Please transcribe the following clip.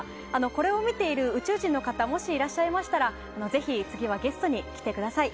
これを見ている宇宙人の方もしいらっしゃいましたらぜひ次はゲストに来てください。